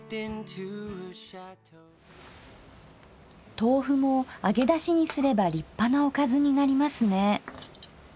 豆腐も揚げだしにすれば立派なおかずになりますね。